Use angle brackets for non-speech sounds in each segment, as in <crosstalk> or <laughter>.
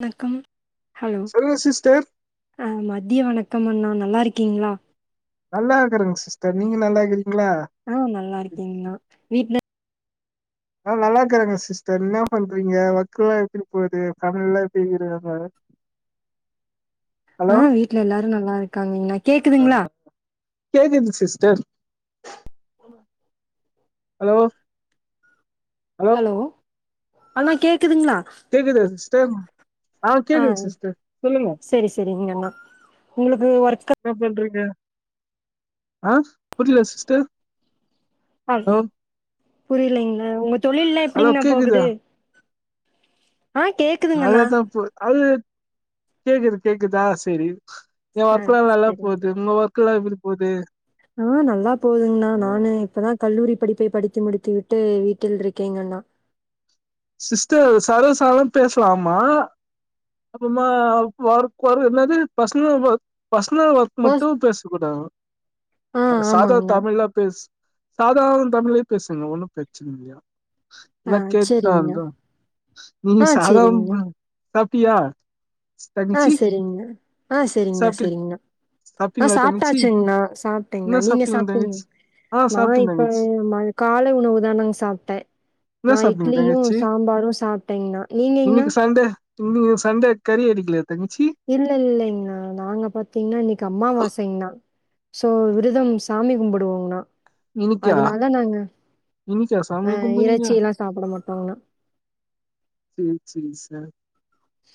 வணக்கம் ஹலோ சொல்லுங்க சிஸ்டர். ஆ மதிய வணக்கம் அண்ணா நல்லாருக்கீங்ளா நல்லா இருக்கறங் சிஸ்டர் நீங்க நல்லா இக்கிறீங்ளா ஆ நல்லா இருக்கேங்ண்ணா வீட்ல அ நல்லாக்கிறாங்க சிஸ்டர் இன்ன பண்றீங்க ஒர்க்லா எப்டி போவ்து பசங்கல எப்டிகிறாங்க ஆ வீட்ல எல்லாரு நல்லாருக்காங்கண்ண அ கேக்குதுங்ளா கேக்குது சிஸ்டர் ஹலோ ஹலோ அண்ணா கேக்குதுங்ளா கேக்குது சிஸ்டர் ஆ கேக்குது சிஸ்டர் சொல்லுங்க சரி சரிங்கண்ணா. உங்களுக்கு ஒர்க் இன்ன பன்றீங்க ஆ புரில சிஸ்டர் ஆ ஹலோ புரியலிங்ளா உங்க தொழில்லா ஹலோ எப்டிங்ணா கேக்குதா? போகுது ஆ கேக் நல்லத்தா போ அது கேக்குது கேக்குதா செரி ஏ ஆ ஒர்கிலா நல்லா சரிங்க. போது உங்க ஒர்க்லா எப்டி போது ஆ நல்லா போதுங்ண்ணா நானு இப்பதா கல்லூரி படிப்பை படித்து முடித்து விட்டு வீட்டில் இருக்கேங்கண்ணா சிஸ்டர் சர்வசாதம் பேச்லாம்மா அப்பமா ஒர்க் பாரு என்னது பர்ச்னல் ஒர்க் பர்ச்னல் ஒர்க் ஓ மட்டு பேச் கூடாது ஆ சாதா ஆமாங்கண்ணா. தமிழ்லா பேச் சாதாரண தமிழ்யே பேசுங்க ஒன்னு பிரச்சன இல்லையா ஆ இல்ல கே சரிங்கண்ணா. தாந்தம் நீங் ஆ சாதம் சரிங்கண்ணா. சாப்டியா ஆ செரிங்ணா ஆ செரிங்ண்ணா சாப்ட்டு செரிங்ண்ணா ஆ சாப்ட்டீங்களா தங்கச்சி சாப்டாச்சுங்ண்ணா என்ன சாப்டேங்ண்ணா நீங்க சாப்ட்டீங்க சாப்டீங் தங்கச்சி ஆ நா சாப்ட்டே இப்ப தங்கச்சி ம காலை உணவுதானங் சாப்டே இன்ன சாப்டிங்க இட்லியு சாம்பாரு சாப்டேங்ணா ஈநீங்னா தொழு சண்டே கறி எடுக்கிலயா தங்கச்சி இல்ல இல்லேங்ணா நாங்க பாத்தீங்னா இன்னிக்கு அம்மாவாசைங்ண்ணா சோ விருதம் சாமி கும்பிடுவோங்ணா இன்னைக்கா அதனால நாங்க இன்னைக்கா சாமி ஆ கும்புறீங்க இறைச்சிலா சாப்புட மாட்டோங்ணா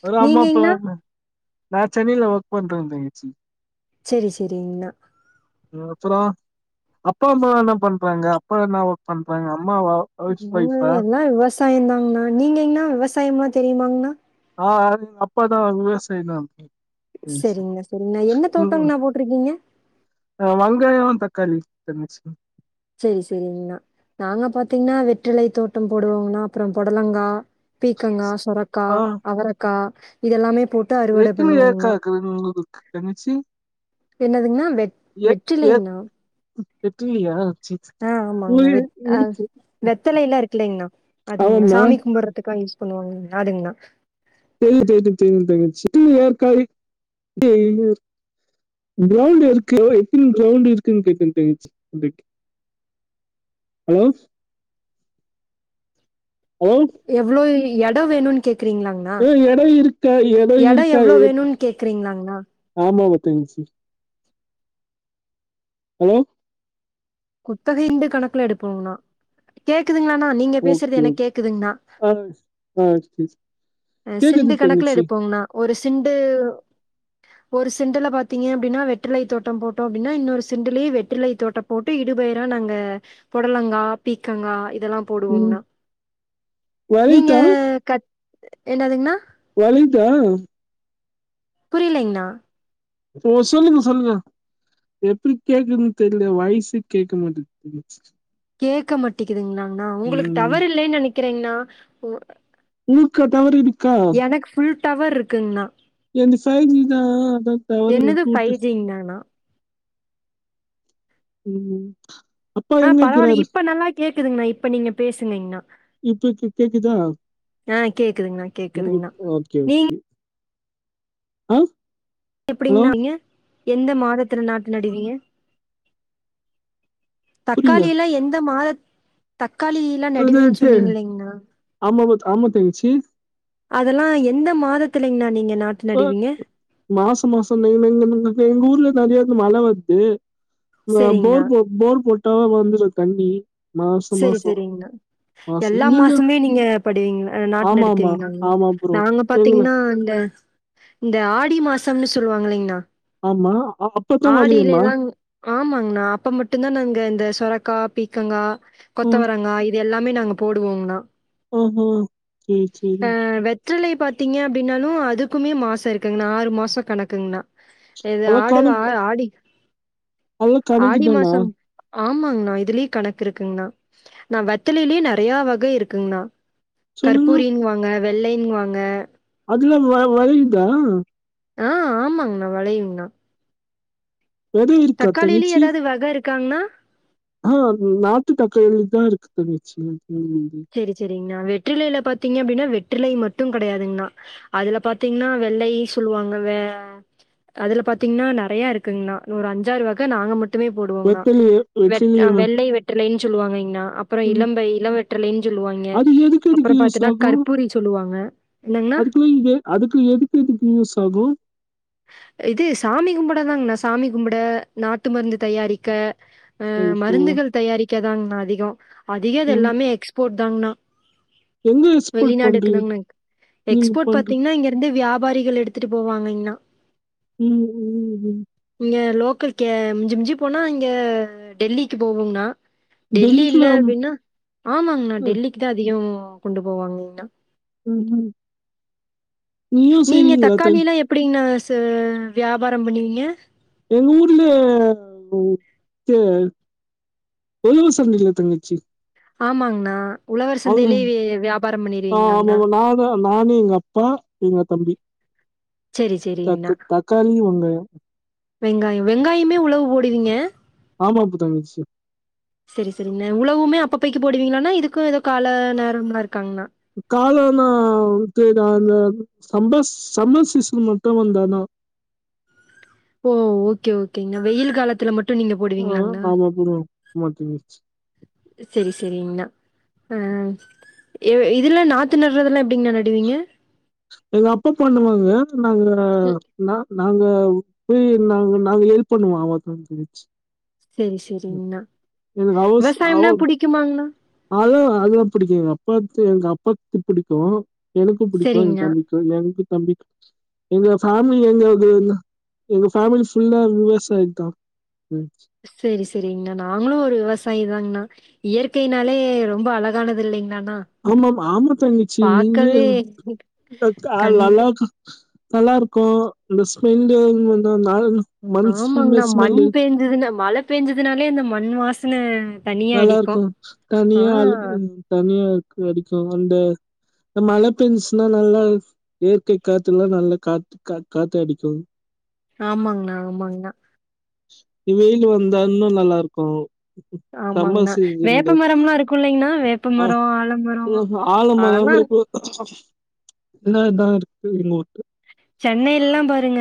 வெறு அம்மா அப்பால நீங்கங்ண்ணா என்ன நா சென்னைல ஒர்க் பண்றங் தங்கச்சி செரி செரிங்ண்ணா னுப்புற அப்பா அம்மா இன்ன பண்றாங்க அப்பா என்ன ஒர்க் பண்றாங்க அம்மாவ முனு எல்லா விவசாயந்தாங்ண்ணா நீங்க எங்ணா விவசாயமாத் தெரியுமாங்ண்ணா ஆ அ அப்பதா விவசாய் தா செரிங்ணா செரிங்ண்ணா என்ன தோட்டங்ண்ணா போட்ருக்கீங்க ஆ வங்காயோ தக்காளி தங்கச்சி செரி செரிங்ண்ணா நாங்க பாத்தீங்னா வெற்றிலை தோட்டம் போடுவோங்ணா அப்புற புடலங்கா பீக்கங்கா சொர கா ஆ அவரக்கா இதெல்லாமே போட் எத்தன ஏர்காகிது உங்ளுக்கு தங்கச்சி என்னதுங்ணா வெ ஏத் ஏத் வெற்றிலைங்ண்ணா எத்துகினியா ஆ ஆமாங்கண்ணா வெ ஆ வெத்தலையில்ல இருக்குலிங்ண்ணா அதுங்ண்ணா ஆமாமா சாமி கும்பிடுறதுக்கு யூஸ் பண்ணுவாங்க அதுங்ண்ணா சேரி சேரி சேரி தங்கச்சி ஏற்காய் <unintelligible> கிரௌண்ட் எதுக்கு எத்தின கிரௌண்ட் இருக்குன்னு கேட்ட தங்கச்சி இது ஹலோ ஹலோ எவ்ளோ எடோ வேணுன்னு கேக்குறீங்ளாங் ஏ எடோ இருக்கா எடோ‌ இருக்கா எவ்ளோ எ வேணுன்னு கேக்குறீங்களாங்ண்ணா ஆமாவ தங்கச்சி ஹலோ குத்தகைண்டு கணக்குல எடுப்போங்ண்ணா கேக்குதுங்ளாணா நீங்க ஓகே பேசுறது எனக்கு ஓகே கேக்குதுங்ண்ணா ஆ சேரி ஆ சேரி சேரி சிண்டு கணக்குல எடுப்போங்ணா ஒரு சிண்டு ஒரு சிண்டுல பாத்தீங்க அப்டின்னா வெற்றிலை தோட்டோ போட்டோ அப்டின்னா இன்னொரு சிண்டுலி வெற்றிலை தோட்டம் போட்டு இடுபயிர நாங்க புடலங்கா பீக்கங்கா இதெல்லா ம் போடுவோங்ணா நீங்க வலிதா கட் என்னதுங்ண்ணா வலித்தா புரியலிங்ண்ணா சோ சொல்லுங்க சொல்லுங்க எப்டி கேக்குறதுன்னு தெரில்யே வாய்ஸ்சே கேக்க மாட்டுது தங்கிச் கேக்க மாட்டுதுங்ளாண்ணா உங்களுக்கு ம் டவர் இல்லைன்னு நெனைக்கிறேங்ண்ணா ஊக்கா டவர் இருக் எனக்கு ஃபுல் டவர் இருக்குங்ண்ணா என்து ஃபைவ் ஜி தா அதா டவரு வுட்டு வுட்டு இன்னான்னா ம் அப்பா ஆ பரவால்ல எங்கக்கிறாரு இப்ப நல்லா கேக்குதுங்ண்ணா இப்ப நீங்க பேசுங்கங்ண்ணா இப்ப கேக்குதா ஆ ஆ கேக்குதுங்ண்ணா கேக்குதுங்ண்ணா இப்ப ஓகே நீங்க ஓகே ஆ ஹலோ எப்டிண்ணா இருக்கீங்க மாதத்தில நாட்டு நடுவீங்க புரியல தக்காளியில்லா எந்த மாதத் தக்காளி எல்லா நடுவேன்னு சொன்னீங்க <unintelligible> இல்லைங்ண்ணா ஆமா ஆமா தங்கச்சி அதெல்லா எந்த மாதத்துலிங்ண்ணா நீங்க நாட்டு நடுவீங்க மாசோ மாசோ எங்க எங்க ஊர்ல நெறைய மழ வருது நா சரிங்கண்ணா. போர் போர் போட்டாதா வந்துரு கண்ணி செரி செரிங்ண்ணா எல்லா மாசமே நீங்க படுவீங் நாட்டு ஆமா ஆமா நடத்துவீங்களாங்க ஆமா ப்ரோ நாங்க எங்கள பாத்தீங்ன்னா இந்த இந்த ஆடி மாசம்னு சொல்லுவாங்கலிங்ண்ணா ஆமா அப்பதா வழியம்மா ஆமாங்ண்ணா அப்ப மட்டுந்தா நாங்க இந்த சொரக்கா பீக்கங்கா ம் கொத்தவரங்கா இது எல்லாமே நாங்க போடுவோங்ண்ணா ம் ம் சேரி சேரி அ வெற்றிலை பாத்தீங்க அப்டின்னாலு அதுக்குமே மாசோ இருக்குங்ண்ணா ஆறு மாசோ கணக்குங்ண்ணா எது அதெல்லா ஆடு ஆ கணக்கு ஆடி அதெல்லா கணக்கு ஆடி தானா மாசம் ஆமாங்ண்ணா இதுலயே கணக்கு இருக்குங்ண்ணா நா வெத்தலிலயே நெறையா வகை இருக்குங்ண்ணா சொல்லுங்க கற்பூரின்வாங்க வெள்ளைன்வாங்க அதுல்லா வ வய்ள்தா ஆ ஆமாங்க வெளயுங்தா வெத இருக்கா தக்காளிலி எதாவ்து வக இருக்காங்ண்ணா அ நாட்டு தக்காளி தா இருக்கு தங்கச்சி <unintelligible> சரி சரிங்ண்ணா வெற்றிலையில பாத்தீங்க அப்டின்னா வெற்றிலை மட்டு கெடயாதுங்ண்ணா அதுல பாத்தீங்ன்னா வெள்ளை சொல்லுவாங்க வெ அதுல பாத்தீங்ன்னா நறைய இருக்குங்ண்ணா ஒரு அஞ்சாறு வக நாங்க மட் டுமே போடுவோங்ண்ணா வெத்தலைய வெ வெத்தலைய வ ம் வெத்தலையே வெள்ளை வெற்றிலைன் சொல்லுவாங்கைங்ண்ணா அப்புறோ வெட்டிலேயே இளம்பை இள வெற்றிலை சொல்லுவாங்க அது எதுக்கு எதுக்கு அப்புறோ யூஸ் பாத்தன்னா ஆகு கற்பூரி சொல்லுவாங்க என்னங்ண்ணா பூத்த பூவா சகோ இது சாமி கும்படதாங்ண்ணா சாமி கும்பட நாட்டு மருந்து தயாரிக்க அ ஓஹோ மருந்துகள் தயாரிக்க தாங்ண்ணா அதிகோ அதிகோ இது ம் எல்லாமே எக்ஸ்போர்ட் தாங்ண்ணா எங்க எக்ஸ்போர்ட் பண்றீங்க வெளிநாடுக்குதாங்ண்ணா நீங்க எக்ஸ்போர்ட் பண்ற பாத்தீங்ன்னா இங்கிருந்து வியாபாரிகள் எடுத் த்துட்டு போவாங்கைங்ண்ணா ம் ம் ம் இங்க லோக்கல்க்கே மிஞ்சு மிஞ்சு போனா இங்க டெல்லிக்கு போகுங்ண்ணா டெல்லிக்குள்ள டெல்லில்ல ஆமா. அப்டின்னா ஆமாங்ண்ணா ம், டெல்லிக்கு தா அதிகோ கொண்டு போவாங்ண்ணா ம் ம் நீயு செய்வீங்ளா தோழி அப்டினா ச வியாபாரோ பண்ணுவீங்க எங்க ஊர்ல தா உழவர் சந்தைல்ல தங்கச்சி ஆமாங்ண்ணா உழவர் அவங்க சந்தையிலயவே வியாபாரோ பண்ணிருவீங்ளாங்ண்ணா போவோம் நானு எங்க அப்பா எங்க தம்பி செரி செரிங்ண்ணா தக்கு தக்காளி ஒண்ணு வெங்காயோ வெங்காயமே உழவு போடுவீங்க ஆமா பு தங்கச்சி செரி செரிங்ண்ண உழவுமே அப்பபைக்கு போடுவீங்களாண்ணா இதுக்கோ ஏதோ கால நேரம்லா இருக்காங்ண்ணா காலோன்னா தேவ அந்த சம்பஸ் சம்மர் சீசன் மட்டு வந்தாதா ஓ ஓகே ஓகேங்ண்ணா வெயில் காலத்துல மட்டு நீங்க ஆ, போடுவீங்ளாங்ண்ணா ஆமா போடுவோம் ஆமா தங்கச்சி செரி செரிங்ண்ணா அ எ இதுல நாத்து நட்றதுல்லா எப்டிங்ண்ணா நடுவீங்க எங்க அப்பா பண்ணுவாங்க நாங்க ம் நா நாங்க போய் நாங் நாங்க ஹெல்ப் பண்ணுவோ அவ தம்பி தங்கச்சி செரி செரிங்ண்ணா விவசாயம்னா புடிக்குமாங்ண்ணா அது அதுல்லா புடிக்கோ எங்க அப்பாக்கு எங் அப்பாக் புடிக்கோ எனக்கு புடிக்கோ என் சரிங்கண்ணா தம்பிக் எனக்கு தம்பிக்கு எங்க ஃபேமிலி எங்காவ்துன்னா எங்க ஃபேமிலி ஃபுல்லா விவசாயம் தா ம் செரி செரிங்ண்ணா நாங்ளு ஒரு விவசாயி தாங்ண்ணா இயற்கையினாலே ரொம்ப அழகானது இல்லைங்களானா ஆமாம் ஆமா தங்கச்சி நீங்ளே இங்க கால் கண் நல்லாக்கு நல்லாருக்கு இந்த ஸ்மெல்லு இவங்க வந்து மேல மண் ஸ்ம ஸ்மெல்லு இங்கன மழ பேஞ்சுதுனாலே அந்த மண் வாசன நல்லாருக்கும் தனியா அல் தனியா அடி அடிக்கும் அந்த இந்த மழை பெஞ்சிசுன்னா நல்லா இயற்கை காத்துல்லாம் நல்லா காத்து காத்தடிக்கும் ஆமாங்ண்ணா ஆமாங்ண்ணா வெயில் வந்தா இன்னும் நல்லா இருக்கும் சம்மர் ஆமாங்ண்ணா வேப்ப சீசன்ண்டு மரம்லா இருக்கு இல்லைங்ண்ணா வேப்ப ஆ மரோ ஆலமரோ ஆழ மர ஆனா போய் இப்ப இதான் இதான் இருக்கு எங்கோட்டு சென்னையிலல்லாம் பாருங்க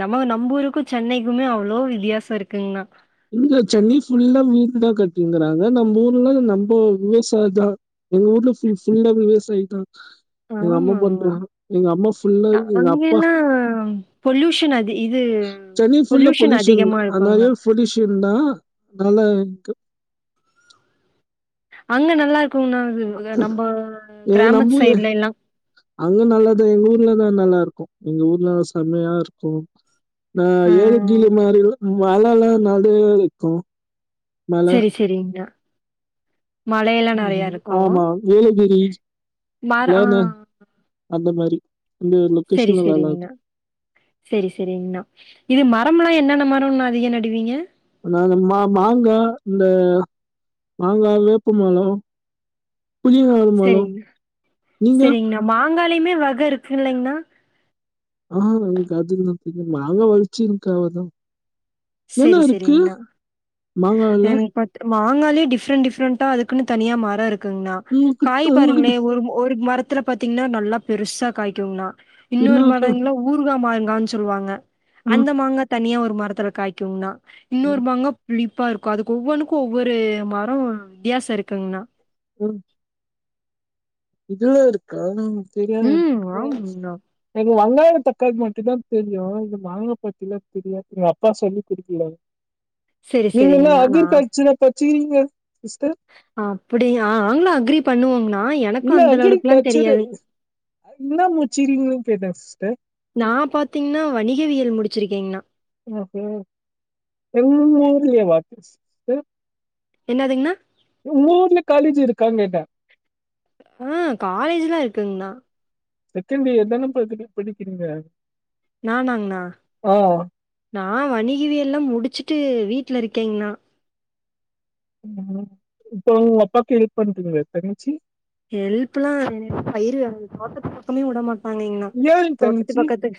நம நம்ம நம்மூருக்கும் சென்னைக்குமே அவ்ளோ வித்தியாசம் இருக்குங்கன்னா இங்க சென்னை ஃபுல்லா வீடு தான் கட்டியிருங்கறாங்க நம்ம ஊர்லாம் நம்ம விவசாயம் தான் எங்க ஊட்டுல ஃபுல ஃபுல்லா விவசாயி தான் எங்க அம்மா ஆமாங்ண்ணா பண்ற எங்க அம்மா புல்லா அ எங்க அப்பா அங்கெல்லா பொல்யூஷன் அது இது சென்னை ஃபுல்லா பொல்யூஷன் அதிகமா தான் அது இருக்குங்ண்ணா நறைய பொல்யூஷன் தான் அதனால இ அங்க நல்லா இருக்குங்கனா அது நம்ம எ கிராமத்து நம்ப சைடுல எல்லாம் அங்க நல்லாதான் எங்க ஊர்லதான் நல்லா இருக்கும் எங்க ஊர்ல செம்மையா இருக்கும் வ ஆ ஏலகிரி மாதிரி மலை எல்லாம் நறையா இருக்கும் செரி செரிங்கண்ணா ம் ஆமா ஏலகிரி மர ஆ ஏன்ன அந்த மாரி இந்த ஊர்ல சேரி சேரிங்கண்ணா சேரி சேரிங்கண்ணா இது மரம் எல்லாம் என்னென்ன மரம் அதிகம் நடுவீங்க நா இந்த மா மாங்கா இந்த மாங்கா வேப்பமரம் புளி வந் சேரிங்கண்ணா சேரிங்கண்ணா மாங்காளையுமே வகை இருக்குல்லலைங்கண்ணா ஆ எனக்கு அதலா தெரியாதுமா மாங்க வச்சிருக்க அவ்ளோ தா என்ன செரி இருக்கு செரிங்ண்ணா மாங்கால மாங்காலே டிப்ரெண்ட் டிஃப்ரெண்டா அதுக்குன்னு தனியா மரம் இருக் ங்கண்ணா காய் உங்ககிட்ட உங்ககிட்ட பாருங்களேன் ஒரு ஒரு மரத்துல பாத்தீங்கன்னா நல்லா பெருசா காய்குங்ண்ணா இன்னொரு என்னாக்கா மரங்கல ஊர்கா மாங்கான்னு சொல்லுவாங்க ஆ அந்த மாங்காய் தனியா ஒரு மரத்துல காய் க்குங்ண்ணா இன்னொரு மாங்கா புளிப்பா இருக்கும் அதுக்கு ஒவ்வொன்னுக்கு ஒவ்வொரு மரம் வித்தியாசம் இருங்குங்ண்ணா ம் இதுலாம் இருக்கா தெரியாது எனக்கு ம் சேர் ஆமாங்ண்ணா எனக்கு வங்காயம் தக்காளி மட்டும் தான் தெரியும் இந்த மாங்க பாத்தி எல்லாம் தெரியாது எங்க அப்பா சொல்லி குடுக்கல செரி நீங்க என்ன செரிங்ண்ணா அக்ரி நா கல்ச்சுரல் படிச்சிக்கிறீங்க சிஸ்டர் அப்டியா நாங்களும் அக்ரி பண்ணுவோங்கனா எனக்கும் இல்ல அந்த லெவலுக்குல்லாம் அக்ரிகல்ச்சரு தெரியாது என்ன முடிச்சிருக்கின்னு கேட்டேன் சிஸ்டர் நான் பாத்தீங்கன்னா வணிகவியல் முடிச்சிருக்கீங்கன்னா ஓ ஓ உங்க ஊர்ல்லயேவா சிஸ் என்னதுங்கண்ணா உங்க ஊர்ல காலேஜ் இருக்கான்னு கேட்டேன் ஆ காலேஜ்லாம் இருக்குங்கண்ணா செகண்ட் இயர் தானே படி படிக்கிறீங்க நானாங்ண்ணா ஆ நான் வணிகவ எல்லாம் முடிச்சுட்டு வீட்ல இருக்கேங்கண்ணா ஆ இப்ப உங்க அப்பாக்கு ஹெல்ப் பண்றிங்களா தங்கச்சி ஹெல்ப்ல்லாம் என்ன பயிர் வகை தோட்டத்து பக்கமே விட மாட்டாங்கங்கன்னா ஏ தோட்டத்து தங்கச்சி பக்கத்து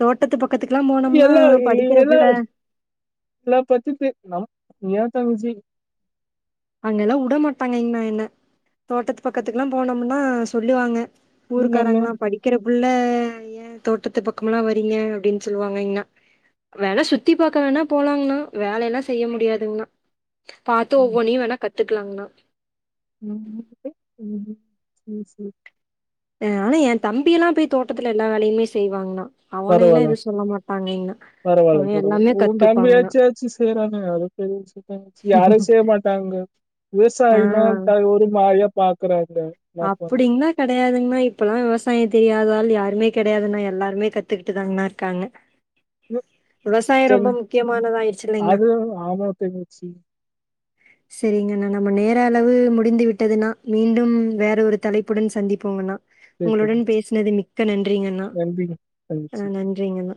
தோட்டத்து பக்கத்துக்குலா போனம்னா எல்லா படிக்கிற புள்ள இவ்ளோ படிச்சிட்டு ஹலோ ஏ தங்கச்சி அங்கெல்லா வுட மாட்டாங்க என்ன என்ன தோட்டத்து பக்கத்துக்குலா போனம்னா சொல்லுவாங்க நீங்க ஊருக்காராங்கலா என்ன படிக்கிற புள்ள ஏ தோட்டத்து பக்கமெல்லா வரீங்க அப்டின் சொல்வாங்க என்ன வேணா சுத்தி பாக்க வேணா போலாங்ணா வேலைலா செய்ய முடியாதுங்ணா பாத் ஒ நீ வேணா கத்துக்கலாங்ணா ம் ம் ம் சேரி அ ஆனா ஏ தம்பியெல்லா போய் தோட்டத்துல எல்லா வேலையுமே செய்வாங்ணா அவனைலா எதுவு சொல்ல மாட்டாங்க என்ன பரவால பரவால உ தம்பியாச்சு வெச்சி செய்றாங்களே அது பெரிய விஷயோ தங்கச்சி யாரு செய்மாட்டாங்க ஆ விவசாயினா இப்ப ஒரு மாரியா பாக்குறாங்க பண்ண அப்டிங்க கெடையாதுங்ணா இப்பெல்லா விவசாய தெரியாதா ஆள் யாருமே கெடையாதுனா எல்லாருமே கத்துகிட்டுதாங்ணா இருக்காங்க ம் விவசாய ரொம்ப சரி முக்கியமானதாய்ருச்சி இல்லைங்ளா அது ஆமா தங்கச்சி செரிங்கண்ணா நம்ம நேர அளவு முடிந்து விட்டதுணா மீண்டும் வேற ஒரு தலைப்புடன் சந்திப்போங்கண்ணா சேரி உங்களுடன் தங்கச்சி பேசினது மிக்க நன்றிங்கண்ணா நன்றி அ தங்கச்சி நன்றிங்கண்ணா